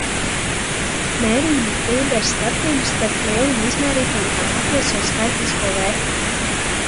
Mērījuma kļūda ir starpība starp lieluma izmērīto un tā patieso skaitlisko vērtību.